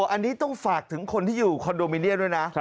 อันนี้ต้องฝากถึงคนที่อยู่คอนโดมิเนียมด้วยนะ